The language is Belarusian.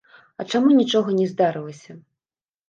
А чаму нічога не здарылася?